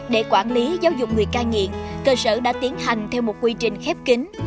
để quản lý giáo dục người cai nghiện cơ sở đã tiến hành theo một quy trình khép kính